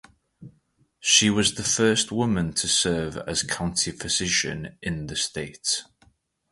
She was the first woman to serve as County Physician in the state.